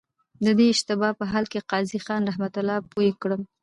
د دې اشتباه په حل کي قاضي خان رحمه الله پوه کړم.